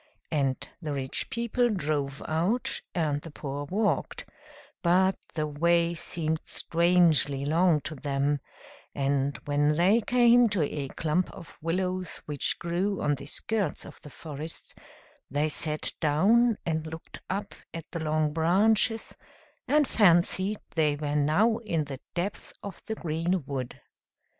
And the rich people drove out, and the poor walked, but the way seemed strangely long to them; and when they came to a clump of willows which grew on the skirts of the forest, they sat down, and looked up at the long branches, and fancied they were now in the depth of the green wood.